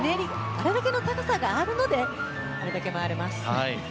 あれだけの高さがあるのでこれだけ回れます。